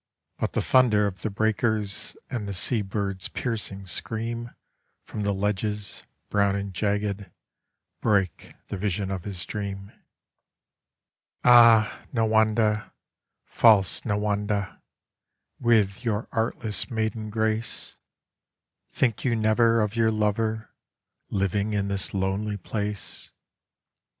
But the thunder of the breakers and the sea bird's piercing scream From the ledges, brown and jagged, break the vision of his dream. COPALIS. 39 All 1 Nawanda, false Nawanda, with your artless maiden grace, Think you never of your lover living in this lonely place